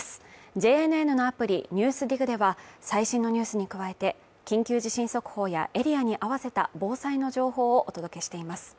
ＪＮＮのアプリ「ＮＥＷＳＤＩＧ」では、最新のニュースに加えて、緊急地震速報やエリアに合わせた防災の情報をお届けしています。